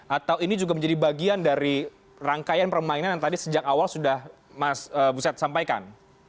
atau ini juga menjadi bagian dari rangkaian permainan yang tadi sejak awal sudah mas buset sampaikan